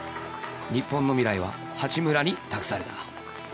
日本の未来は八村に託された